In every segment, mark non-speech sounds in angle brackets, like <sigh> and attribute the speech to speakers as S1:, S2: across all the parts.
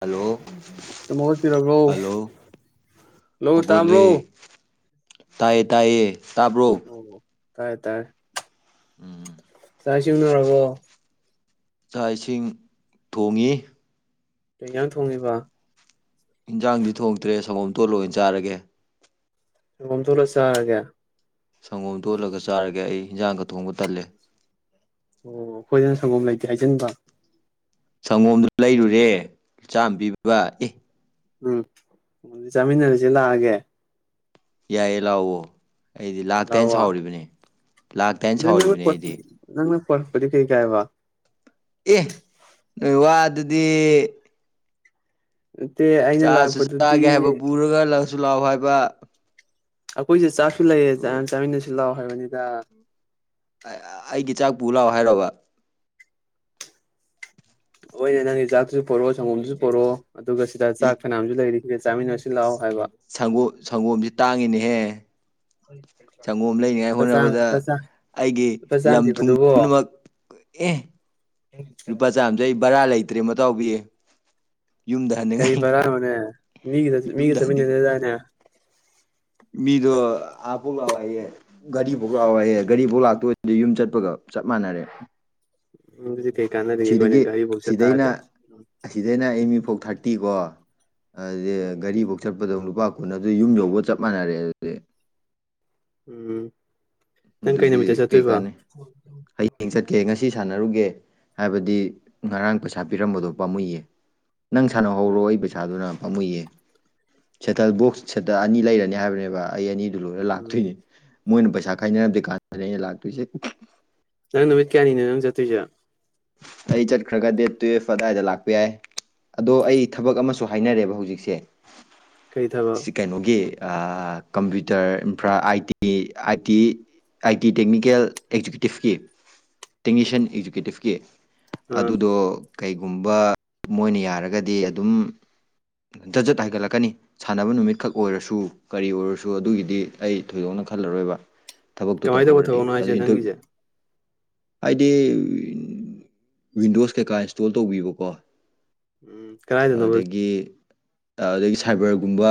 S1: hello
S2: ꯑꯗꯨꯝ ꯍꯧꯒꯠꯄꯤꯔꯕ꯭ꯔꯣ
S1: hello
S2: hello
S1: ꯍꯧꯒꯠꯂꯦ
S2: ꯇꯥꯕ꯭ꯔꯣ
S1: ꯇꯥꯏꯌꯦ ꯇꯥꯏꯌꯦ ꯇꯥꯕ꯭ꯔꯣ
S2: ꯑꯣ ꯇꯥꯏꯌꯦ ꯇꯥꯏꯌꯦ
S1: ꯎꯝ
S2: ꯆꯥꯛ ꯢꯁꯤꯡ ꯎꯅꯔꯕꯣ
S1: ꯆꯥꯛ ꯏꯁꯤꯡ ꯊꯣꯡꯉꯤ
S2: ꯀꯩ ꯌꯦꯟꯖꯥꯡ ꯊꯣꯡꯉꯤꯕ
S1: ꯌꯦꯟꯖꯥꯡꯗꯤ ꯊꯣꯡꯗ꯭ꯔꯦ ꯁꯪꯒꯣꯝ ꯇꯣꯠꯂ ꯑꯣꯏꯅ ꯆꯥꯔꯒꯦ
S2: ꯁꯪꯒꯣꯝ ꯊꯣꯛꯂ ꯆꯥꯔꯒꯦ
S1: ꯁꯪꯒꯣꯝ ꯇꯣꯜꯂꯒ ꯆꯥꯔꯒꯦ ꯑꯩ ꯌꯦꯟꯖꯥꯡꯒ ꯊꯣꯡꯕ ꯇꯜꯂꯦ
S2: ꯑꯣ ꯑꯩꯈꯣꯏꯗꯅ ꯁꯪꯒꯣꯝ ꯂꯩꯇꯦ ꯍꯥꯏꯖꯟꯕ
S1: ꯁꯪꯒꯣꯝꯗꯨ ꯂꯩꯔꯨꯔꯦ ꯆꯥꯝꯃ ꯄꯤꯕ ꯑꯦ
S2: ꯎꯝ ꯑꯗꯨꯗꯤ ꯆꯥꯃꯤꯟꯅꯔꯁꯤ ꯂꯥꯛꯑꯒꯦ
S1: ꯌꯥꯏꯌꯦ ꯂꯥꯛꯑꯣ ꯑꯩꯗꯤ ꯂꯥꯛꯇꯦ ꯍꯥꯢꯅ
S2: ꯂꯥꯛꯑꯣ
S1: ꯁꯥꯎꯔꯤꯕꯅꯤ ꯂꯥꯛꯇꯦ ꯍꯥꯢꯅ
S2: ꯑꯗꯨ ꯅꯪꯅ
S1: ꯁꯥꯎꯔꯤꯕꯅꯤ
S2: ꯄꯣꯠ
S1: ꯑꯩꯗꯤ
S2: ꯅꯪꯅ ꯄꯨꯔꯛꯕꯗꯤ ꯀꯩ ꯀꯥꯢꯕ
S1: ꯑꯦ ꯅꯣꯏ ꯋꯥꯗꯨꯗꯤ
S2: ꯅꯠꯇꯦ ꯑꯩꯅ
S1: ꯆꯥꯁꯨ
S2: ꯂꯥꯛꯄꯗꯨꯗꯤ
S1: ꯆꯥꯒꯦ ꯍꯥꯏꯕ ꯄꯨꯔꯒ ꯂꯥꯛꯁꯨ ꯂꯥꯛꯑꯣ ꯍꯥꯏꯕ
S2: ꯑꯩꯈꯣꯏꯁꯨ ꯆꯥꯛꯁꯨ ꯂꯩꯌꯦ ꯆꯥ ꯆꯥꯃꯤꯟꯅꯁꯤ ꯂꯥꯛꯑꯣ ꯍꯥꯏꯕꯅꯤꯗ
S1: ꯑꯩꯒꯤ ꯆꯥꯛ ꯄꯨꯔ ꯂꯥꯛꯑꯣ ꯍꯥꯏꯔꯕ
S2: ꯍꯣꯏꯅꯦ ꯅꯪꯒꯤ ꯆꯥꯛꯇꯨꯁꯨ ꯄꯣꯔꯛꯑꯣ ꯁꯪꯒꯣꯝꯗꯨꯁꯨ ꯄꯣꯔꯛꯑꯣ ꯑꯗꯨꯒ ꯁꯤꯗ
S1: ꯑꯦ
S2: ꯆꯥꯛ ꯐꯅꯥꯌꯥꯝꯁꯨ ꯂꯩꯔꯤ ꯁꯤꯗ ꯆꯥꯃꯤꯟꯅꯁꯤ ꯂꯥꯛꯑꯣ ꯍꯥꯏꯕ
S1: ꯁꯪꯒꯣꯝ ꯁꯪꯒꯣꯝꯁꯤ ꯇꯥꯡꯉꯤꯅꯦꯍꯦ
S2: ꯍꯣꯏ
S1: ꯁꯪꯒꯣꯝ ꯂꯩꯅꯤꯡꯉꯥꯏ ꯍꯣꯠꯅꯕꯗ ꯑꯩꯒꯤ
S2: ꯂꯨꯄꯥ ꯆꯥꯝ
S1: ꯂꯝ ꯊꯨꯝ
S2: ꯄꯤꯕꯗꯨꯕꯨ
S1: ꯄꯨꯝꯅꯃꯛ ꯑꯦ
S2: ꯎꯝ <inaudible>
S1: ꯂꯨꯄꯥ ꯆꯥꯝꯃꯁꯤ ꯑꯩ ꯕꯔꯥ ꯂꯩꯇ꯭ꯔꯦ ꯃꯇꯥꯎꯕꯤ ꯌꯨꯝꯗ
S2: ꯀꯔꯤ
S1: ꯍꯟꯅꯤꯡꯉꯥꯏ
S2: ꯕꯔꯥ ꯅꯣꯅꯦ ꯃꯤꯒꯤ ꯃꯤꯒ
S1: ꯌꯨꯝꯗ ꯍꯟꯅꯤꯡ
S2: ꯆꯠꯃꯤꯟꯅꯅꯤꯗꯥꯢꯅꯦ
S1: ꯃꯤꯗꯣ ꯑꯐꯥꯎ ꯂꯥꯛꯑꯣ ꯍꯥꯢꯌꯦ ꯒꯥꯔꯤꯐꯧ ꯂꯥꯛꯑꯣꯍꯦ ꯒꯥꯔꯤꯐꯧ ꯂꯥꯛꯇꯣꯏꯗꯤ ꯌꯨꯝ ꯆꯠꯄꯒ ꯆꯞ ꯃꯥꯟꯅꯔꯦ
S2: ꯑꯗꯨꯗꯤ ꯀꯩ ꯀꯥꯟꯅꯔꯤꯒꯦ
S1: ꯁꯤꯗꯒꯤ
S2: ꯍꯣꯢꯅꯦ ꯘꯔꯤ ꯐꯧ
S1: ꯁꯤꯗꯩꯅ
S2: ꯆꯠꯇꯥꯥꯔꯗꯤ
S1: ꯑꯁꯤꯗꯩꯅ ꯑꯦꯝ ꯌꯨ ꯐꯧ ꯊꯥꯔꯇꯤ ꯀꯣ ꯑꯗꯨ
S2: ꯎꯝ
S1: ꯙꯔꯤ ꯐꯧ ꯆꯠꯄꯗꯧ ꯂꯨꯄꯥ ꯀꯨꯟ ꯑꯗꯨ ꯌꯨꯝ ꯌꯧꯕ ꯆꯞ ꯃꯥꯟꯅꯔꯦ ꯑꯗꯨꯗꯤ
S2: ꯎꯝ ꯅꯪ ꯀꯩ
S1: ꯑꯗꯨꯗꯤ
S2: ꯅꯨꯃꯤꯠꯇ
S1: ꯀꯩ
S2: ꯆꯠꯇꯣꯏꯕ
S1: ꯀꯥꯟꯅꯩ ꯍꯌꯦꯡ ꯆꯠꯀꯦ ꯉꯁꯤ ꯁꯥꯟꯅꯔꯨꯒꯦ ꯍꯥꯏꯕꯗꯤ ꯉꯔꯥꯡ ꯄꯩꯁꯥ ꯄꯤꯔꯝꯕꯗꯣ ꯄꯥꯝꯃꯨꯏꯌꯦ ꯅꯪ ꯁꯥꯟꯅꯍꯧꯔꯣ
S2: ꯎꯝ
S1: ꯑꯩ ꯄꯩꯁꯥ ꯄꯩꯁꯥꯗꯨꯅ ꯄꯥꯃꯨꯏꯌꯦ ꯁꯦꯇꯜ ꯕꯣꯛꯁ ꯁꯦꯇꯜ ꯑꯅꯤ ꯂꯩꯔꯅꯤ ꯍꯥꯏꯕꯅꯦꯕ ꯑꯩ ꯑꯅꯤꯗꯨ ꯂꯣꯏꯔ ꯂꯥꯛꯇꯣꯏꯅꯦ ꯃꯣꯏꯅ ꯄꯩꯁꯥ ꯈꯥꯏꯅꯔꯝꯗꯔꯤ ꯀꯥꯟꯗ ꯑꯩꯅ ꯂꯥꯛꯇꯣꯏꯁꯦ
S2: ꯅꯪ ꯅꯨꯃꯤꯠ ꯀꯌꯥꯅꯣ ꯅꯪ ꯆꯠꯇꯣꯏꯁꯦ
S1: ꯑꯩ ꯆꯠꯈ꯭ꯔꯒ ꯗꯦꯠ ꯇꯨꯌꯦꯜꯐ ꯑꯗꯥꯏꯗ ꯂꯥꯛꯄ ꯌꯥꯏ ꯑꯗꯣ ꯑꯩ ꯊꯕꯛ ꯑꯃꯁꯨ ꯍꯥꯏꯅꯔꯦꯕ ꯍꯧꯖꯤꯛꯁꯦ
S2: ꯀꯔꯤ ꯊꯕꯛ
S1: ꯁꯤ ꯀꯩꯅꯣꯒꯤ computer infra I T I T I T technical ꯑꯦꯛꯖꯤꯀ꯭ꯌꯨꯇꯤꯞꯀꯤ ꯇꯦꯛꯅꯤꯁꯤꯌꯥꯟ ꯑꯦꯛꯖꯤꯀ꯭ꯌꯨꯇꯤꯞꯀꯤ ꯑꯣꯀꯦ
S2: ꯑꯥ
S1: ꯑꯗꯨꯗꯣ ꯀꯩꯒꯨꯝꯕ ꯃꯣꯏꯅ ꯌꯥꯔꯒꯗꯤ ꯑꯗꯨꯝ ꯖꯠ ꯖꯠ ꯍꯥꯏꯒꯠꯂꯛꯀꯅꯤ ꯁꯥꯟꯅꯕ ꯅꯨꯃꯤꯠꯈꯛ ꯑꯣꯏꯔꯁꯨ ꯀꯔꯤ ꯑꯣꯏꯔꯁꯨ ꯑꯗꯨꯒꯤꯗꯤ ꯑꯩ ꯊꯣꯏꯗꯣꯛꯅ ꯈꯜꯂꯔꯣꯏꯕ ꯊꯕꯛꯇꯣ
S2: ꯀꯃꯥꯏꯅ ꯇꯧꯕ
S1: ꯇꯧꯍꯧꯔꯗꯤ
S2: ꯊꯕꯛꯅꯣ
S1: ꯑꯗꯨ
S2: ꯍꯥꯏꯁꯦ ꯅꯪꯒꯤꯁꯦ
S1: ꯏꯟꯇꯔꯍꯥꯏꯗꯤ ꯋꯤꯟꯗꯣꯁ ꯀꯩꯀꯥ ꯏꯟꯁꯇꯣꯜ ꯇꯧꯕꯤꯕꯀꯣ
S2: ꯎꯝ ꯀꯗꯥꯏꯗꯅꯣꯕ
S1: ꯑꯗꯒꯤ ꯑꯗꯨꯗꯒꯤ ꯁꯥꯏꯕꯔꯒꯨꯝꯕ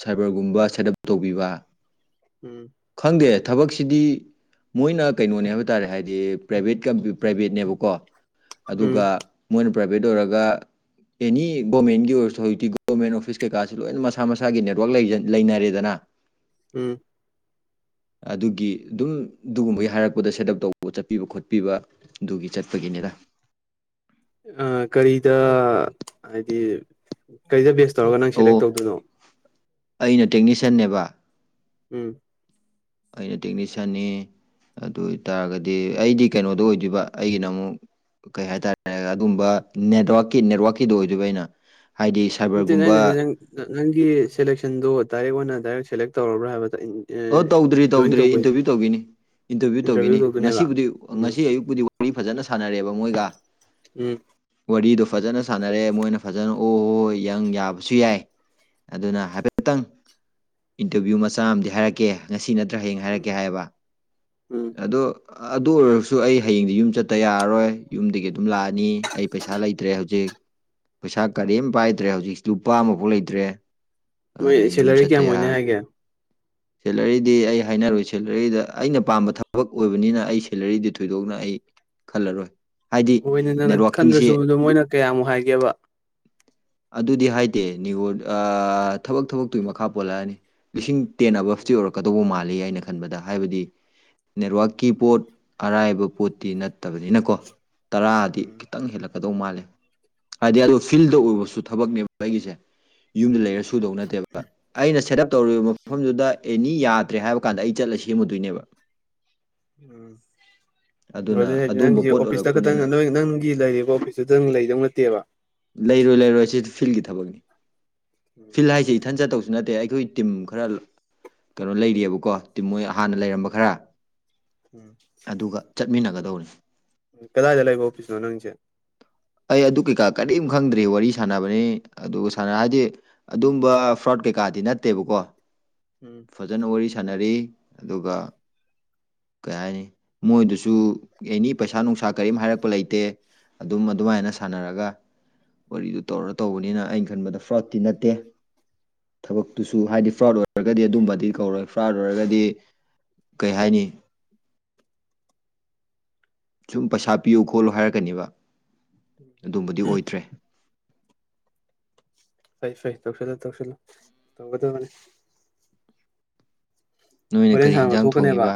S1: ꯁꯥꯏꯕꯔꯒꯨꯝꯕ ꯁꯦꯠ ꯑꯞ ꯇꯧꯕꯤꯕ
S2: ꯎꯝ
S1: ꯈꯪꯗꯦ ꯊꯕꯛꯁꯤꯗꯤ ꯃꯣꯏꯅ ꯀꯩꯅꯣꯅꯤ ꯍꯥꯏꯕ ꯇꯥꯔꯦ ꯍꯥꯏꯗꯤ ꯄ꯭ꯔꯥꯏꯚꯦꯠ ꯀꯝ ꯄ꯭ꯔꯥꯏꯚꯦꯠꯅꯦꯕꯀꯣ
S2: ꯎꯝ
S1: ꯑꯗꯨꯒ ꯃꯣꯏꯅ ꯄ꯭ꯔꯥꯏꯚꯦꯠ ꯑꯣꯏꯔꯒ ꯑꯦꯅꯤ ꯒꯣꯃꯦꯟꯒꯤ ꯑꯣꯊꯣꯔꯤꯇꯤ ꯒꯣꯃꯦꯟ ꯑꯣꯐꯤꯁ ꯀꯩꯀꯥꯁꯤ ꯂꯣꯏꯅ ꯃꯁꯥ ꯃꯁꯥꯒꯤ ꯅꯦꯠꯋꯥꯛ ꯂꯩꯅꯔꯦꯗꯅ
S2: ꯎꯝ
S1: ꯑꯗꯨꯒꯤ ꯑꯗꯨꯝ ꯑꯗꯨꯒꯨꯝꯕꯒꯤ ꯍꯥꯏꯔꯛꯄꯗ ꯁꯦꯠ ꯑꯞ ꯇꯧꯕ ꯆꯠꯄꯤꯕ ꯈꯣꯠꯄꯤꯕ ꯑꯗꯨꯒꯤ ꯆꯠꯄꯒꯤꯅꯤꯗ
S2: ꯀꯔꯤꯗ ꯍꯥꯏꯗꯤ ꯀꯔꯤꯗ ꯕꯦꯁ ꯇꯧꯔꯒ ꯅꯪ ꯁꯦꯂꯦꯛ
S1: ꯑꯣ
S2: ꯇꯧꯗꯣꯏꯅꯣ
S1: ꯑꯩꯅ ꯇꯦꯛꯅꯤꯁꯤꯌꯥꯟꯅꯦꯕ
S2: ꯎꯝ
S1: ꯑꯩꯅ ꯇꯦꯛꯅꯤꯁꯤꯌꯥꯟꯅꯤ ꯑꯗꯨ ꯑꯣꯏꯇꯥꯔꯒꯗꯤ ꯑꯩꯗꯤ ꯀꯩꯅꯣꯗꯣ ꯑꯣꯏꯗꯣꯏꯕ ꯑꯩꯒꯤꯅ ꯑꯃꯨꯛ ꯀꯩ ꯍꯥꯏꯇꯥꯔꯦ ꯑꯗꯨꯝꯕ ꯅꯦꯠꯋꯥꯛꯀꯤ ꯅꯦꯠꯋꯥꯔꯥꯛꯀꯤꯗꯨ ꯑꯣꯏꯗꯣꯏꯕ ꯑꯩꯅ ꯍꯥꯏꯗꯤ
S2: ꯅꯠꯇꯦ
S1: ꯁꯥꯏꯕꯔꯒꯨꯝꯕ
S2: ꯑꯩꯅꯗꯤ ꯅꯪꯅꯪꯒꯤ ꯁꯦꯂꯦꯛꯁꯟꯗꯨ ꯗꯥꯏꯔꯦꯛ ꯑꯣꯏꯅ ꯗꯥꯏꯔꯦꯛ ꯁꯦꯂꯦꯛ ꯇꯧꯔꯕ꯭ꯔꯥ ꯍꯥꯏꯕꯗꯣ
S1: ꯑꯣ ꯇꯧꯗ꯭ꯔꯤ ꯇꯧꯗ꯭ꯔꯤ ꯏꯟꯇꯔꯚꯤꯌꯨ ꯇꯧꯈꯤꯅꯤ ꯏꯟꯇꯔꯚꯤꯌꯨ ꯇꯧꯈꯤꯅꯤ ꯉꯁꯤꯕꯨꯗꯤ
S2: ꯎꯝ
S1: ꯉꯁꯤ ꯑꯌꯨꯛꯄꯨꯗꯤ ꯄꯨꯔꯤ ꯐꯖꯅ ꯁꯥꯟꯅꯔꯦꯕ ꯃꯣꯏꯒ
S2: ꯎꯝ
S1: ꯋꯥꯔꯤꯗꯣ ꯐꯖꯅ ꯁꯥꯟꯅꯔꯦ ꯃꯣꯏꯅ ꯐꯖꯅ ꯑꯣ ꯌꯪ ꯌꯥꯕꯁꯨ ꯌꯥꯏ ꯑꯗꯨꯅ ꯍꯥꯏꯐꯦꯠꯇꯪ ꯏꯟꯇꯔꯚꯤꯌꯨ ꯃꯆꯥ ꯑꯃꯗꯤ ꯍꯥꯏꯔꯛꯀꯦ ꯀꯦ ꯉꯁꯤ ꯅꯠꯇ꯭ꯔꯥ ꯍꯌꯦꯡ ꯍꯥꯏꯔꯛꯀꯦ ꯍꯥꯏꯌꯦꯕ
S2: ꯎꯝ
S1: ꯑꯗꯣ ꯑꯗꯨ ꯑꯣꯏꯔꯒꯁꯨ ꯑꯩ ꯍꯌꯦꯡꯗꯤ ꯌꯨꯝ ꯆꯠꯇ ꯌꯥꯔꯔꯣꯏ ꯌꯨꯝꯗꯒꯤ ꯑꯗꯨꯝ ꯂꯥꯛꯑꯅꯤ ꯑꯩ ꯄꯩꯁꯥ ꯂꯩꯇ꯭ꯔꯦ ꯍꯧꯖꯤꯛ ꯄꯩꯁꯥ ꯀꯔꯤꯝ ꯄꯥꯏꯗ꯭ꯔꯦ ꯍꯧꯖꯤꯛ ꯂꯨꯄꯥ ꯑꯃꯐꯥꯎ ꯂꯩꯇ꯭ꯔꯦ ꯑꯗꯨꯅ
S2: ꯅꯣꯏ
S1: ꯑꯩ ꯌꯨꯝ
S2: ꯁꯦꯂꯔꯤ
S1: ꯆꯠꯇ
S2: ꯀꯌꯥꯝ ꯑꯣꯏꯅꯤ
S1: ꯌꯥꯔꯣꯏ
S2: ꯍꯥꯏꯒꯦ
S1: ꯁꯦꯂꯔꯤꯗꯤ ꯑꯩ ꯍꯥꯏꯅꯔꯣꯏ ꯁꯦꯂꯔꯤꯗ ꯑꯩꯅ ꯄꯥꯝꯕ ꯊꯕꯛ ꯑꯣꯏꯕꯅꯤꯅ ꯑꯩ ꯁꯦꯂꯔꯤꯗꯤ ꯊꯣꯏꯗꯣꯛꯅ ꯑꯩ ꯈꯜꯂꯔꯣꯏ ꯍꯥꯏꯗꯤ
S2: ꯍꯣꯏꯅꯦ ꯅꯪꯅ
S1: ꯅꯦꯠꯋꯥꯛꯀꯤꯡꯁꯦ
S2: ꯈꯟꯗ꯭ꯔꯁꯨ ꯑꯗꯣ ꯃꯣꯏꯅ ꯀꯌꯥꯃꯨꯛ ꯍꯥꯏꯒꯦꯕ
S1: ꯑꯗꯨꯗꯤ ꯍꯥꯏꯗꯦ ꯅꯤꯉꯣꯜ ꯊꯕꯛ ꯊꯕꯛꯇꯨꯒꯤ ꯃꯈꯥ ꯄꯣꯜꯂꯛꯑꯅꯤ ꯂꯤꯁꯤꯡ ꯇꯦꯟꯑꯕꯞꯇꯤ
S2: ꯎꯝ
S1: ꯑꯣꯏꯔꯛꯀꯗꯧꯕ ꯃꯥꯜꯂꯤ ꯑꯩꯅ ꯈꯟꯕꯗ ꯍꯥꯏꯕꯗꯤ ꯅꯦꯠꯋꯥꯛꯀꯤ ꯄꯣꯠ ꯑꯔꯥꯏꯕ ꯄꯣꯠꯇꯤ ꯅꯠꯇꯕꯅꯤꯅꯀꯣ ꯇꯔꯥꯗꯤ
S2: ꯎꯝ
S1: ꯈꯤꯇꯪ ꯍꯦꯜꯂꯛꯀꯗꯧ ꯃꯥꯜꯂꯦ ꯍꯥꯏꯗꯤ ꯑꯗꯨ ꯐꯤꯜꯗ <unintelligible> ꯎꯕꯁꯨ ꯊꯕꯛꯅꯦꯕ ꯑꯩꯒꯤꯁꯦ ꯌꯨꯝꯗ
S2: ꯎꯝ
S1: ꯂꯩꯔ ꯁꯨꯗꯧ ꯅꯠꯇꯦꯕ ꯑꯩꯅ ꯁꯦꯠ ꯑꯞ ꯇꯧꯔꯤꯕ ꯃꯐꯝꯗꯨꯗ ꯑꯦꯅꯤ ꯌꯥꯗ꯭ꯔꯦ ꯍꯥꯏꯕ ꯀꯥꯟꯗ ꯑꯩ ꯆꯠꯂ ꯁꯦꯝꯃꯨꯗꯣꯏꯅꯦꯕ
S2: ꯎꯝ ꯑꯗꯨꯅꯦ
S1: ꯑꯗꯨꯅ
S2: ꯍꯥꯏꯁꯤ
S1: ꯑꯗꯨꯝꯕ
S2: ꯅꯪꯒꯤ
S1: ꯄꯣꯠ
S2: ꯑꯣꯐꯤꯁꯇ ꯈꯛꯇꯪ
S1: ꯑꯣꯏꯔꯛꯄꯅꯤꯅ
S2: ꯅꯣꯏ ꯅꯪꯒꯤ ꯂꯩꯔꯤꯕ ꯑꯣꯐꯤꯁꯇꯨꯗꯪ ꯂꯩꯗꯧ ꯅꯠꯇꯦꯕ
S1: ꯂꯩꯔꯣꯏ ꯂꯩꯔꯣꯏ ꯁꯤꯗꯤ ꯐꯤꯜꯒꯤ ꯊꯕꯛꯅꯤ ꯐꯤꯜ
S2: ꯎꯝ
S1: ꯍꯥꯏꯁꯦ ꯏꯊꯟ ꯆꯠꯇꯧ ꯁꯨ ꯅꯠꯇꯦ ꯑꯩꯈꯣꯏ ꯇꯤꯝ ꯈꯔ ꯀꯩꯅꯣ ꯂꯩꯔꯤꯑꯦꯕꯀꯣ ꯃꯣꯏ ꯍꯥꯟꯅ ꯂꯩꯔꯝꯕ ꯈꯔ
S2: ꯎꯝ
S1: ꯑꯗꯨꯒ ꯆꯠꯃꯤꯟꯅꯒꯗꯧꯔꯤ
S2: ꯀꯗꯥꯏꯗ ꯂꯩꯕ ꯑꯣꯐꯤꯁꯅꯣ ꯅꯪꯒꯤꯁꯦ
S1: ꯑꯩ ꯑꯗꯨ ꯀꯩꯀꯥ ꯀꯔꯤꯝ ꯈꯪꯗ꯭ꯔꯤ ꯋꯥꯔꯤ ꯁꯥꯟꯅꯕꯅꯤ ꯑꯗꯨꯒ ꯁꯥꯟꯅ ꯍꯥꯏꯗꯤ ꯑꯗꯨꯝꯕ ꯐ꯭ꯔꯣꯠ ꯀꯩꯀꯥꯗꯤ ꯅꯠꯇꯦꯕꯀꯣ
S2: ꯎꯝ
S1: ꯐꯖꯅ ꯋꯥꯔꯤ ꯁꯥꯟꯅꯔꯤ ꯑꯗꯨꯒ ꯀꯩ ꯍꯥꯏꯅꯤ ꯃꯣꯏꯗꯨꯁꯨ ꯑꯦꯅꯤ ꯄꯩꯁꯥ ꯅꯨꯡꯁꯥ ꯀꯔꯤꯝ ꯍꯥꯏꯔꯛꯄ ꯂꯩꯇꯦ ꯑꯗꯨꯝ ꯑꯗꯨꯃꯥꯏꯅ ꯁꯥꯟꯅꯔꯒ ꯋꯥꯔꯤꯗꯨ ꯇꯧꯔ ꯇꯧꯕꯅꯤꯅ ꯑꯩꯅ ꯈꯟꯕꯗ ꯐ꯭ꯔꯣꯠꯇꯤ ꯅꯠꯇꯦ ꯊꯕꯛꯇꯨꯁꯨ ꯍꯥꯏꯗꯤ
S2: ꯎꯝ
S1: ꯐ꯭ꯔꯣꯠ ꯑꯣꯏ ꯑꯣꯏꯔꯒꯗꯤ ꯑꯗꯨꯝꯕꯗꯤ ꯀꯧꯔꯣꯏ ꯐ꯭ꯔꯣꯠ ꯑꯣꯢꯔꯒꯗꯤ ꯀꯩ ꯍꯥꯏꯅꯤ ꯁꯨꯝ ꯄꯩꯁꯥ ꯄꯤꯌꯨ ꯈꯣꯠꯂꯨ ꯍꯥꯏꯔꯛꯀꯅꯦꯕ ꯑꯗꯨꯝꯕꯗꯤ ꯑꯣꯏꯗ꯭ꯔꯦ
S2: ꯐꯩ ꯐꯩ ꯇꯧꯁꯤꯜꯂꯣ ꯇꯧꯁꯤꯜꯂꯣ ꯇꯧꯒꯗꯕꯅꯤ
S1: ꯅꯣꯏꯅ
S2: ꯍꯣꯔꯦꯟ
S1: ꯀꯔꯤ
S2: ꯁꯥꯡꯅ
S1: ꯌꯦꯟꯖꯥꯡ
S2: ꯊꯣꯛꯀꯅꯦꯕ
S1: ꯊꯣꯡꯉꯤꯕ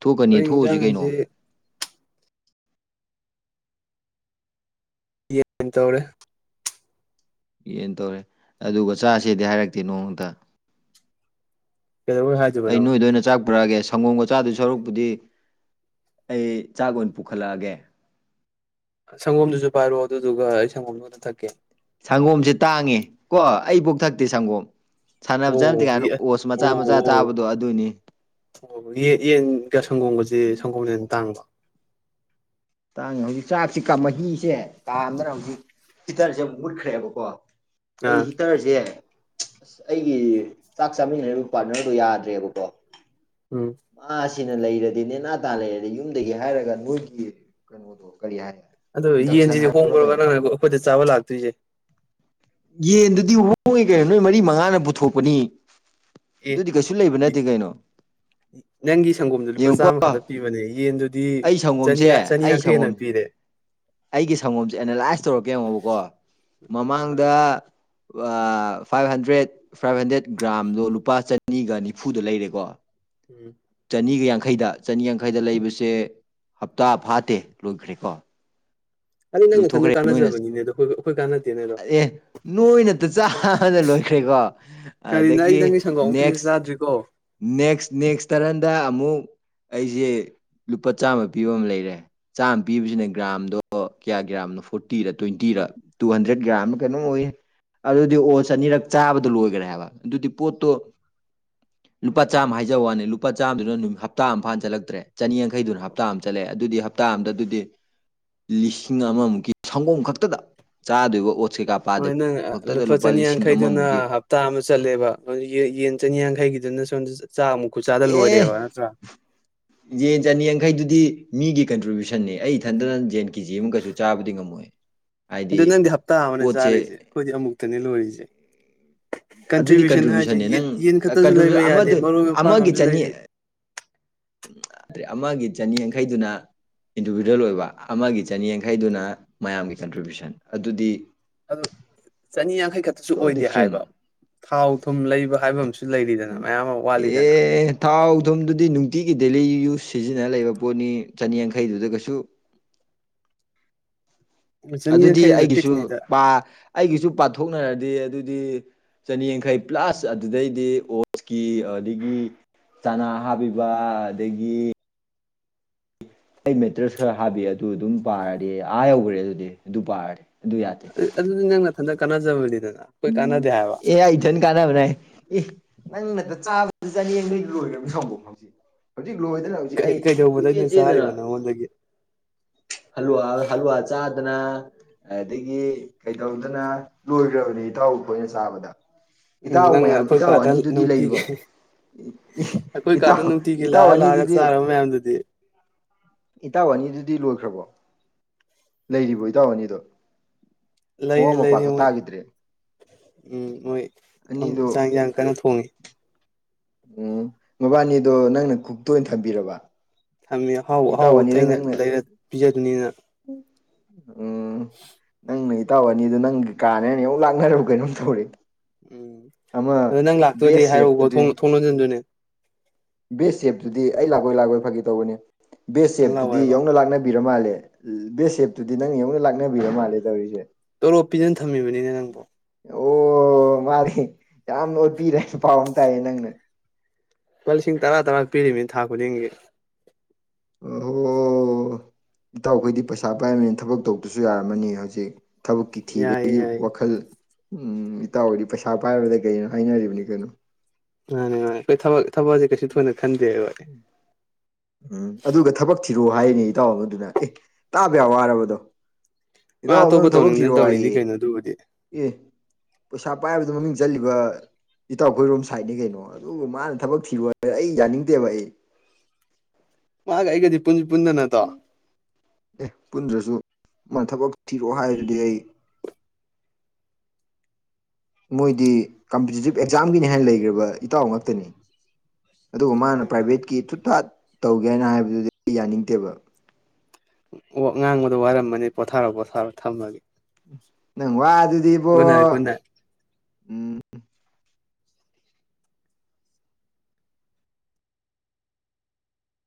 S1: ꯊꯣꯛꯀꯅꯤ
S2: ꯑꯩꯈꯣꯏ
S1: ꯊꯣꯛꯎꯁꯤ ꯀꯩꯅꯣ
S2: ꯏꯟꯖꯥꯡꯁꯤ ꯌꯦꯟ ꯇꯧꯔꯦ
S1: ꯌꯦꯟ ꯇꯧꯔꯦ ꯑꯗꯨꯒ ꯆꯥꯥꯁꯦꯗꯤ ꯍꯥꯏꯔꯛꯇꯦ ꯅꯣꯡꯃꯇ
S2: ꯀꯩꯗꯧꯕꯩ ꯍꯥꯏꯗꯣꯏꯕ
S1: ꯑꯩ ꯅꯣꯏꯗ
S2: ꯅꯪꯉꯣꯟꯗꯗꯤ
S1: ꯑꯣꯏꯅ ꯆꯥꯛ ꯄꯨꯔꯛꯑꯒꯦ ꯁꯪꯒꯣꯝꯒ ꯆꯥꯗꯨꯢ ꯁꯔꯨꯛꯄꯨꯗꯤ ꯑꯩ ꯆꯥꯛ ꯑꯣꯏꯅ ꯄꯨꯈꯠꯂꯛꯑꯒꯦ
S2: ꯁꯪꯒꯣꯝꯗꯨꯁꯨ ꯄꯥꯏꯔꯛꯑꯣ ꯑꯗꯨꯗꯨꯒ ꯑꯩ ꯁꯪꯒꯨꯝꯗꯨ ꯈꯔ ꯊꯛꯀꯦ
S1: ꯁꯪꯒꯣꯝꯁꯦ ꯇꯥꯡꯉꯦ ꯀꯣ ꯑꯩ ꯄꯣꯛ ꯊꯛꯇꯦ ꯁꯪꯒꯣꯝ ꯁꯥꯟꯅꯕ
S2: ꯑꯣ ꯑꯣ
S1: ꯆꯠꯇ꯭ꯔꯤꯒꯥꯟ ꯑꯣꯁ ꯃꯆꯥ ꯃꯆꯥ
S2: ꯑꯣ
S1: ꯆꯥꯕꯗꯣ ꯑꯗꯨꯅꯤ
S2: ꯑꯣ ꯌꯦꯟꯒ ꯁꯪꯒꯣꯝꯒꯁꯦ ꯁꯪꯒꯣꯝꯅ ꯍꯟꯅ ꯇꯥꯡꯕ꯭ꯔꯣ
S1: ꯇꯥꯡꯉꯦ ꯍꯧꯖꯤꯛ ꯆꯥꯛꯁꯤ ꯀꯥ ꯃꯍꯤꯁꯦ ꯀꯥꯝꯗꯅ ꯍꯧꯖꯤꯛ ꯍꯤꯇꯥꯔꯁꯦ ꯑꯃꯨꯛ ꯃꯨꯠꯈ꯭ꯔꯦꯕꯀꯣ ꯑꯩ
S2: ꯑꯥ
S1: ꯍꯤꯇꯥꯔꯁꯦ ꯑꯩꯒꯤ ꯆꯥꯛ ꯆꯥꯃꯤꯟꯅꯔꯤꯕ ꯄꯥꯠꯅꯥꯔꯗꯣ ꯌꯥꯗ꯭ꯔꯦꯕꯀꯣ
S2: ꯎꯝ
S1: ꯃꯥꯁꯤꯅ ꯂꯩꯔꯗꯤ ꯅꯦꯅꯥ ꯇꯥ ꯂꯩꯔꯗꯤ ꯌꯨꯝꯗꯒꯤ ꯍꯥꯏꯔꯒ ꯅꯣꯏꯒꯤ ꯀꯩꯅꯣꯗꯣ ꯀꯔꯤ ꯍꯥꯏ
S2: ꯑꯗꯨ
S1: ꯏꯟꯗꯛꯁꯟ
S2: ꯌꯦꯟꯁꯤꯗꯤ
S1: ꯍꯥꯏꯕ꯭ꯔꯥ
S2: ꯍꯣꯡꯕ꯭ꯔꯥ
S1: ꯀꯩꯅꯣ
S2: ꯅꯪꯅ ꯑꯩꯈꯣꯏꯗ ꯆꯥꯕ ꯂꯥꯛꯇꯣꯏꯁꯤ
S1: ꯌꯦꯟꯗꯨꯗꯤ ꯍꯣꯏꯉꯤ ꯀꯩꯅꯣ ꯅꯣꯏ ꯃꯔꯤ ꯃꯉꯥꯅ ꯄꯨꯊꯣꯛꯄꯅꯤ
S2: ꯑꯦ
S1: ꯑꯗꯨꯗꯤ ꯀꯩꯁꯨ ꯂꯩꯕ ꯅꯠꯇꯦ ꯀꯩꯅꯣ
S2: ꯅꯪꯒꯤ ꯁꯪꯒꯣꯝꯗ ꯂꯨꯄꯥ
S1: ꯌꯦꯡꯉꯨꯀꯣ
S2: ꯆꯥꯝꯃ ꯈꯛꯇ ꯄꯤꯕꯅꯦ ꯌꯦꯟꯗꯨꯗꯤ
S1: ꯑꯩ
S2: ꯆ
S1: ꯁꯪꯒꯣꯝꯁꯦ ꯑꯩ
S2: ꯆꯥꯅꯤꯌꯥꯡꯈꯩ ꯍꯦꯟꯅ
S1: ꯁꯪꯒꯣꯝ
S2: ꯄꯤ ꯄꯤꯔꯦ
S1: ꯑꯩꯒꯤ ꯁꯪꯒꯣꯝꯁꯦ ꯑꯦꯅꯥꯂꯥꯏꯁ ꯇꯧꯔꯛꯀꯦ ꯌꯦꯡꯉꯣꯕꯀꯣ
S2: ꯑꯥ
S1: ꯃꯃꯥꯡꯗ ꯑꯥ ꯐꯥꯏꯚ ꯍꯟꯗ꯭ꯔꯦꯠ ꯐꯥꯏꯚ ꯍꯟꯗ꯭ꯔꯦꯠ ꯒ꯭ꯔꯥꯝꯗꯣ ꯂꯨꯄꯥ ꯆꯅꯤꯒ ꯅꯤꯐꯨꯗ ꯂꯩꯔꯦꯀꯣ
S2: ꯎꯝ
S1: ꯆꯥꯅꯤꯒ ꯌꯥꯡꯈꯩꯗ ꯆꯥꯅꯤ ꯌꯥꯡꯈꯩꯗ ꯂꯩꯕꯁꯦ ꯍꯞꯇꯥ ꯐꯥꯠꯇꯦ ꯂꯣꯏꯈ꯭ꯔꯦꯀꯣ
S2: ꯑꯗꯨ ꯅꯪ ꯅꯊꯟꯗ
S1: ꯂꯣꯏꯊꯣꯛꯈ꯭ꯔꯦ ꯅꯣꯏꯅ
S2: ꯀꯥꯟꯅꯖꯕꯅꯤꯅꯦ ꯑꯗꯣ ꯑꯩꯈꯣꯏ ꯑꯩꯈꯣꯏ ꯀꯥꯟꯅꯗꯦꯅꯦ ꯑꯗꯣ
S1: ꯑꯦ ꯑꯦ ꯅꯣꯏꯅ ꯇꯥ ꯆꯥꯕꯗ ꯂꯣꯏꯈ꯭ꯔꯦꯀꯣ
S2: ꯀꯔꯤꯅꯣ ꯑꯩ
S1: ꯑꯗꯒꯤ
S2: ꯅꯪꯒꯤ ꯁꯪꯒꯣꯝ ꯑꯃꯨꯛꯇꯁꯨ
S1: ꯅꯦꯛꯁ
S2: ꯆꯥꯗ꯭ꯔꯤꯀꯣ
S1: ꯅꯦꯛꯁ ꯅꯦꯛꯁ ꯇꯥꯔꯟꯗ ꯑꯃꯨꯛ ꯑꯩꯁꯦ ꯂꯨꯄꯥ ꯆꯥꯝꯃ ꯄꯤꯕ ꯑꯃ ꯂꯩꯔꯦ ꯆꯥꯝꯃ ꯄꯤꯕꯁꯤꯅ ꯒ꯭ꯔꯥꯝꯗꯣ ꯀꯌꯥ ꯒ꯭ꯔꯥꯝꯅꯣ ꯐꯣꯔꯇꯤꯗ ꯇ꯭ꯋꯦꯟꯇꯤꯔ ꯇꯨ ꯍꯟꯗ꯭ꯔꯦꯠ ꯒ꯭ꯔꯥꯝꯅ ꯀꯩꯅꯣ ꯑꯣꯏꯌꯦ ꯑꯗꯨꯗꯤ ꯑꯣꯆ ꯑꯅꯤꯔꯛ ꯆꯥꯕꯗ ꯂꯣꯏꯈ꯭ꯔꯦ ꯍꯥꯏꯕ ꯑꯗꯨꯗꯤ ꯄꯣꯠꯇꯣ ꯂꯨꯄꯥ ꯆꯥꯝꯃ ꯍꯥꯏꯖꯕ ꯋꯥꯅꯤ ꯂꯨꯄꯥ ꯆꯥꯝꯃꯗꯨꯅ ꯅꯨꯃꯤꯠ ꯍꯞꯇꯥ ꯑꯝꯐꯥꯅ ꯆꯜꯂꯛꯇ꯭ꯔꯦ ꯆꯅꯤ ꯌꯥꯡꯈꯩꯗꯨꯅ ꯍꯞꯇꯥ ꯑꯃ ꯆꯠꯂꯦ ꯑꯗꯨꯗꯤ ꯍꯞꯇꯥ ꯑꯝꯗ ꯑꯗꯨꯗꯤ ꯂꯤꯁꯤꯡ ꯑꯃꯃꯨꯛꯀꯤ ꯁꯪꯒꯣꯝ ꯈꯛꯇꯗ ꯆꯥꯗꯣꯏꯕ ꯑꯣꯠꯁ ꯀꯩꯀꯥ
S2: ꯍꯣꯏ
S1: ꯄꯥꯗꯕꯤ
S2: ꯅꯪ ꯑ
S1: ꯈꯛꯇꯗ
S2: ꯂꯨꯄꯥ ꯆꯅꯤ
S1: ꯂꯤꯁꯤꯡ
S2: ꯌꯪꯈꯩꯗꯨꯅ
S1: ꯑꯃꯃꯨꯛꯀꯤ
S2: ꯍꯞ ꯇꯥ ꯑꯃ ꯆꯠꯂꯦꯕ ꯌꯦ ꯌꯦꯟ ꯆꯅꯤꯌꯥꯡꯈꯩꯒꯤꯗꯨꯅ ꯁꯣꯝꯗ ꯆꯥꯃꯨꯛ ꯈꯨꯠꯆꯥꯥꯗ
S1: ꯑꯦ
S2: ꯂꯣꯏꯔꯦꯕ ꯅꯠꯇ꯭ꯔꯥ
S1: ꯌꯦꯟ ꯆꯅꯤ ꯌꯥꯡꯈꯩꯗꯨꯗꯤ ꯃꯤꯒꯤ ꯀꯟꯇ꯭ꯔꯤꯕ꯭ꯌꯨꯁꯟꯅꯦ ꯑꯩ ꯏꯊꯟꯗꯅ ꯌꯦꯟ ꯀꯦꯖꯤ ꯑꯃ ꯀꯩꯁꯨ ꯆꯥꯕꯗꯤ ꯉꯝꯃꯣꯏ
S2: ꯑꯗꯣ
S1: ꯍꯥꯏꯗꯤ
S2: ꯅꯪꯗꯤ ꯍꯞꯇꯥ ꯑꯃꯗ
S1: ꯄꯣꯠꯁꯦ
S2: ꯆꯥꯔꯤꯗꯨꯗꯤ ꯈꯣꯏꯗꯤ ꯑꯃꯨꯛꯇꯅꯦ ꯂꯣꯏꯔꯤꯁꯦ
S1: ꯑꯗꯨꯗꯤ
S2: ꯀꯟꯇ꯭ꯔꯤꯕ꯭ꯌꯨꯁꯟ ꯍꯥꯏꯁꯦ
S1: ꯀꯟꯇ꯭ꯔꯤꯕ꯭ꯌꯨꯁꯟꯅꯦ
S2: ꯌꯦ
S1: ꯅꯪ
S2: ꯌꯦꯟ ꯈꯛꯇꯁꯨ ꯂꯩꯕ
S1: ꯀꯟꯇ꯭ꯔꯤꯕ꯭ꯌꯨꯁꯟ
S2: ꯌꯥꯗꯦ
S1: ꯑꯃꯗ
S2: ꯃꯔꯣꯏ ꯃꯄꯥꯡ
S1: ꯑꯃꯒꯤ
S2: ꯑꯃꯁꯨ
S1: ꯆꯅꯤ
S2: ꯂꯩꯔꯤ
S1: ꯑꯃꯒꯤ ꯆꯅꯤꯌꯥꯡꯈꯩꯗꯨꯅ ꯏꯟꯗꯤꯕꯤꯗꯨꯋꯦꯜ ꯑꯣꯏꯕ ꯑꯃꯒꯤ ꯆꯅꯤ ꯌꯥꯡꯈꯩꯗꯨꯅ ꯃꯌꯥꯝꯒꯤ ꯀꯟꯇ꯭ꯔꯤꯕ꯭ꯌꯨꯁꯟ ꯑꯗꯨꯗꯤ
S2: ꯑꯗꯨ ꯆꯅꯤ ꯌꯥꯡꯈꯩ ꯈꯛꯇꯁꯨ
S1: ꯁꯣ
S2: ꯑꯣꯏꯗꯦ ꯍꯥꯏꯕ
S1: ꯗꯤꯐ꯭ꯔꯤꯟ
S2: ꯊꯥꯎ ꯊꯨꯝ ꯂꯩꯕ ꯍꯥꯏꯕ ꯑꯃꯁꯨ ꯁꯨ ꯂꯩꯔꯤꯗꯅ ꯃꯌꯥꯝ ꯑꯃ ꯋꯥꯠꯂꯤꯗꯅ
S1: ꯑꯦ ꯊꯥꯎ ꯊꯨꯝꯗꯨꯗꯤ ꯅꯨꯡꯇꯤꯒꯤ ꯗꯦꯂꯤ ꯌꯨꯁ ꯁꯤꯖꯤꯟꯅ ꯂꯩꯕ ꯄꯣꯠꯅꯤ ꯆꯅꯤꯌꯥꯡꯈꯩꯗꯨꯗ ꯀꯩꯁꯨ
S2: ꯆꯅꯤ
S1: ꯑꯗꯨꯗꯤ
S2: ꯌꯥꯡꯈꯩꯗꯅ
S1: ꯑꯩꯒꯤꯁꯨ
S2: ꯐꯤꯛꯁꯅꯤꯗ
S1: ꯄꯥ ꯑꯩꯒꯤꯁꯨ ꯄꯥꯊꯣꯛꯅꯔꯗꯤ ꯑꯗꯨꯗꯤ ꯆꯅꯤꯌꯥꯡꯈꯩ ꯄ꯭ꯂꯁ ꯑꯗꯨꯗꯩꯗꯤ ꯑꯣꯁꯀꯤ ꯑꯗꯒꯤ ꯆꯅꯥ ꯍꯥꯞꯄꯤꯕ ꯑꯗꯒꯤ ꯑꯩ ꯃꯦꯇ꯭ꯔꯦꯁ ꯈꯔ ꯍꯥꯞꯕꯤ ꯑꯗꯨ ꯑꯗꯨꯝ ꯄꯥꯔꯗꯤ ꯑꯥ ꯌꯧꯈ꯭ꯔꯦ ꯑꯗꯨꯗꯤ ꯑꯗꯨ ꯄꯥꯔꯗꯤ ꯑꯗꯨ ꯌꯥꯗꯦ
S2: ꯑꯗꯨꯗꯤ ꯅꯪ ꯅꯊꯟꯇ ꯀꯥꯟꯅꯖꯕꯅꯤꯗꯅ ꯑꯩꯈꯣꯏ
S1: ꯎꯝ
S2: ꯀꯥꯟꯅꯗꯦ ꯍꯥꯏꯕ
S1: ꯑꯦ ꯑꯥꯏ ꯏꯊꯟ ꯀꯥꯟꯅꯕꯅꯦ ꯍꯥꯏ ꯑꯦ ꯅꯪꯅꯠꯇ ꯆꯥꯕꯗ ꯆꯅꯤ ꯌꯥꯡꯈꯩ ꯂꯣꯏꯈ꯭ꯔꯝꯅꯦ ꯁꯪꯒꯣꯝ ꯍꯧꯖꯤꯛ ꯍꯧꯖꯤꯛ ꯂꯣꯏꯗꯅ ꯍꯧꯖꯤꯛ ꯑꯩ ꯀꯣꯏꯆꯦꯟ
S2: ꯀꯩꯗꯧꯕꯗꯩꯅꯣ
S1: ꯆꯦꯟꯗꯅ
S2: ꯆꯥꯔꯤꯕ ꯅꯪꯉꯣꯟꯗꯒꯤ
S1: ꯍꯜꯋꯥ ꯍꯜꯂꯨꯋꯥ ꯆꯥꯗꯅ ꯑꯗꯒꯤ ꯀꯩꯇꯧꯗꯅ ꯂꯣꯏꯈ꯭ꯔꯕꯅꯤ ꯏꯇꯥꯎ ꯈꯣꯏꯅ ꯆꯥꯕꯗ
S2: ꯎꯝ
S1: ꯏꯇꯥꯎ
S2: ꯅꯪꯅ
S1: ꯃꯌꯥꯝ
S2: ꯑꯩꯈꯣꯏ
S1: ꯏꯇꯥꯎ
S2: ꯀꯥꯗ
S1: ꯑꯅꯤꯗꯨꯗꯤ
S2: ꯅꯨꯡꯇꯤꯒꯤ
S1: ꯂꯩꯔꯤꯕꯣ
S2: ꯑꯩꯈꯣꯏ ꯀꯥꯗ
S1: ꯏꯇꯥꯥꯎ
S2: ꯅꯨꯡꯇꯤꯒꯤ
S1: ꯏꯇꯥꯥꯎ
S2: ꯂꯥꯛꯑ ꯂꯥꯛꯑꯒ
S1: ꯑꯅꯤꯗꯨꯗꯤ
S2: ꯆꯥꯔꯕ ꯃꯌꯥꯝꯗꯨꯗꯤ
S1: ꯏꯇꯥꯎ ꯑꯅꯤꯗꯨꯗꯤ ꯂꯣꯏꯈ꯭ꯔꯕꯣ ꯂꯩꯔꯤꯕꯣ ꯏꯇꯥꯎ ꯑꯅꯤꯗꯣ
S2: ꯂꯩꯔꯤ
S1: ꯃꯋꯥ
S2: ꯂꯩꯔꯤ
S1: ꯃꯄꯥꯒ
S2: ꯃꯣꯏ
S1: ꯇꯥꯈꯤꯗ꯭ꯔꯦ
S2: ꯎꯝ ꯃꯣꯏ ꯑꯥꯝ
S1: ꯑꯅꯤꯗꯣ
S2: ꯆꯥꯡ ꯏꯟꯖꯥꯡ ꯀꯟꯅ ꯊꯣꯡꯉꯤ
S1: ꯎꯝ ꯃꯕꯥꯅꯤꯗꯣ ꯅꯪꯅ ꯀꯨꯛꯇ ꯑꯣꯏꯅ ꯊꯝꯕꯤꯔꯕ
S2: ꯊꯝꯃꯦ ꯑꯍꯥꯎꯕ
S1: ꯏꯇꯥꯎ
S2: ꯑꯍꯥꯎꯕ
S1: ꯑꯅꯤꯗꯣ
S2: ꯑꯩꯅ
S1: ꯅꯪꯅ
S2: ꯂꯩꯔ ꯄꯤꯖꯗꯨꯅꯤꯅ
S1: ꯎꯝ ꯅꯪꯅ ꯏꯇꯥꯎ ꯑꯅꯤꯗꯣ ꯅꯪꯒꯤ ꯀꯥꯅꯦꯅ ꯌꯧ ꯂꯥꯛꯅꯔꯕ ꯀꯩꯅꯣꯝ ꯇꯧꯔꯦ
S2: ꯎꯝ
S1: ꯑꯃ
S2: ꯗꯣ ꯅꯪ ꯂꯥꯛꯇꯣꯏꯗꯤ
S1: ꯕꯦꯁ
S2: ꯍꯥꯏꯔꯛꯎꯀꯣ
S1: ꯁꯦꯞꯇꯨꯗꯤ
S2: ꯊꯣꯡ ꯊꯣꯡ ꯂꯣꯟꯖꯤꯟꯗꯣꯏꯅꯦ
S1: ꯕꯦꯁ ꯁꯦꯞꯇꯨꯗꯤ ꯑꯩ ꯂꯥꯛꯑꯣꯏ ꯂꯥꯛꯑꯣꯏ ꯐꯒꯤ ꯇꯧꯕꯅꯦ ꯕꯦꯁ
S2: ꯅꯪ
S1: ꯆꯦꯞꯇꯨꯗꯤ
S2: ꯂꯥꯛꯑꯣꯏꯕ
S1: ꯌꯧꯅ ꯂꯥꯛꯅꯕꯤꯔ ꯃꯥꯜꯂꯦ ꯕꯦꯁ ꯁꯦꯞꯇꯨꯗꯤ ꯅꯪꯅ ꯌꯧꯅ ꯂꯥꯛꯅꯕꯤꯔ ꯃꯥꯜꯂꯦ ꯇꯧꯔꯤꯁꯦ
S2: ꯇꯣꯂꯣꯞ ꯄꯤꯗꯅ ꯊꯝꯃꯤꯕꯅꯤꯅꯦ ꯅꯪꯕꯣ
S1: ꯑꯣ ꯃꯥꯗꯤ ꯌꯥꯝꯅ ꯑꯣꯠꯄꯤꯔꯦ ꯍꯥꯏꯕ ꯄꯥꯎ ꯑꯃ ꯇꯥꯏꯌꯦ ꯅꯪꯅ
S2: ꯂꯨꯄꯥ ꯂꯤꯁꯤꯡ ꯇꯔꯥ ꯇꯔꯥ ꯄꯤꯔꯤꯅꯤ ꯊꯥ ꯈꯨꯗꯤꯡꯒꯤ
S1: ꯑꯣꯍꯣ ꯏꯇꯥꯎꯈꯣꯏꯗꯤ ꯄꯩꯁꯥ ꯄꯥꯏꯕꯅꯤꯅ ꯊꯕꯛ ꯇꯧꯗꯁꯨ ꯌꯥꯔꯝꯃꯅꯤ ꯍꯧꯖꯤꯛ ꯊꯕꯛꯀꯤ
S2: ꯌꯥꯏꯌꯦ
S1: ꯊꯤꯕꯒꯤ
S2: ꯌꯥꯏꯌꯦ
S1: ꯋꯥꯈꯜ ꯎꯝ ꯏꯇꯥꯎꯗꯤ ꯄꯩꯁꯥ ꯄꯥꯏꯕꯗ ꯀꯩꯅꯣ ꯍꯥꯏꯅꯔꯤꯕꯅꯤ ꯀꯩꯅꯣ
S2: ꯃꯥꯅꯦ ꯃꯥꯅꯤ ꯑꯩꯈꯣꯏ ꯊꯕꯛ ꯊꯕꯛꯁꯦ ꯀꯩꯁꯨ ꯊꯣꯏꯅ ꯈꯟꯗꯦꯕ
S1: ꯎꯝ ꯑꯗꯨꯒ ꯊꯕꯛ ꯊꯤꯔꯛꯑꯣ ꯍꯥꯏꯅꯦ ꯏꯇꯥꯎ ꯑꯃꯗꯨꯅ ꯑꯦ ꯇꯥꯕ ꯌꯥꯕ ꯋꯥꯔꯕ ꯑꯗꯣ
S2: ꯃꯥ
S1: ꯏꯇꯥꯎ
S2: ꯑꯇꯣꯞꯄ
S1: ꯑꯃꯗꯨꯅ ꯊꯕꯛ ꯊꯤꯔꯣ
S2: ꯇꯧꯅꯤꯡꯗꯅ ꯇꯧꯔꯤꯅꯤ
S1: ꯍꯥꯏꯌꯦ
S2: ꯀꯩꯅꯣ ꯑꯗꯨꯕꯨꯗꯤ
S1: ꯑꯦ ꯄꯩꯁꯥ ꯄꯥꯏꯕꯗ ꯃꯃꯤꯡ ꯆꯠꯂꯤꯕ ꯏꯇꯥꯎꯈꯣꯏꯔꯣꯝ ꯁꯥꯏꯠꯅꯤ ꯀꯩꯅꯣ ꯑꯗꯨꯒ ꯃꯥꯅ ꯊꯕꯛ ꯊꯤꯔꫭ <unintelligible> ꯑꯩ ꯌꯥꯅꯤꯡꯗꯦꯕ ꯑꯩ
S2: ꯃꯥꯒ ꯑꯩꯒꯗꯤ ꯄꯨꯟ <unintelligible> ꯄꯨꯟꯗꯅ ꯗꫭ
S1: ꯑꯦ ꯄꯨꯟꯗ꯭ꯔꯁꯨ ꯃꯥ ꯊꯕꯛ ꯊꯤꯔꯛꯑꯣ ꯍꯥꯏꯗꯨꯗꯤ ꯑꯩ ꯃꯣꯏꯗꯤ ꯀꯝꯄꯤꯇꯤꯇꯤꯞ ꯑꯦꯛꯖꯥꯝꯒꯤꯅꯤ ꯍꯥꯏꯅ ꯂꯩꯒ꯭ꯔꯕ ꯏꯇꯥꯎ ꯉꯥꯛꯇꯅꯤ ꯑꯗꯨꯒ ꯃꯥꯅ
S2: ꯃꯥꯅꯦ ꯃꯥꯅꯦ
S1: ꯄ꯭ꯔꯥꯏꯚꯦꯠꯀꯤ ꯊꯨꯠ ꯊꯥꯠ ꯇꯧꯒꯦ ꯍꯥꯏꯅ ꯍꯥꯏꯕꯗꯨꯗꯤ ꯌꯥꯅꯤꯡꯗꯦꯕ
S2: <unintelligible> ꯉꯥꯡꯕꯗ ꯋꯥꯔꯝꯃꯅꯤ ꯄꯣꯊꯥꯔꯣ ꯄꯣꯊꯥꯔꯣ ꯊꯝꯃꯒꯦ
S1: ꯅꯪ ꯋꯥꯗꯨꯗꯤ
S2: ꯒꯨꯠ ꯅꯥꯏꯠ ꯒꯨꯠ ꯅꯥꯏꯠ